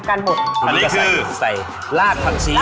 อันนี้ก็ใส่รากผักชี